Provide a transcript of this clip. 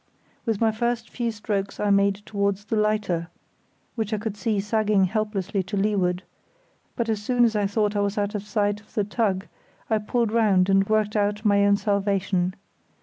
With my first few strokes I made towards the lighter—which I could see sagging helplessly to leeward—but as soon as I thought I was out of sight of the tug, I pulled round and worked out my own salvation.